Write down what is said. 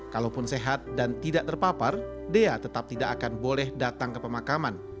kalaupun sehat dan tidak terpapar dea tetap tidak akan boleh datang ke pemakaman